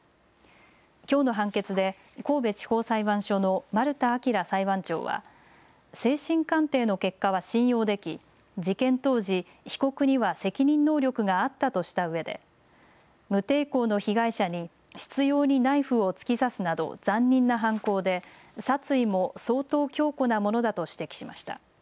きょうの判決で神戸地方裁判所の丸田顕裁判長は精神鑑定の結果は信用でき、事件当時、被告には責任能力があったとしたうえで無抵抗の被害者に執ようにナイフを突き刺すなど残忍な犯行で殺意も相当強固なものだと指摘しました。